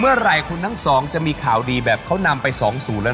เมื่อไหร่คุณทั้งสองจะมีข่าวดีแบบเขานำไป๒๐แล้ว